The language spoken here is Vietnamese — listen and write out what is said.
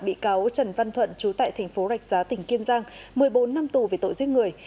bị cáo trần văn thuận trú tại thành phố rạch giá tỉnh kiên giang một mươi bốn năm tù về tội giết người